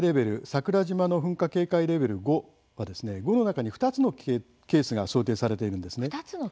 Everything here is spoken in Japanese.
桜島の噴火警戒レベル５はですね５の中に、２つのケースが想定されているんですね。